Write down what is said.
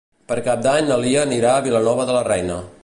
Per Cap d'Any na Lia anirà a Vilanova de la Reina.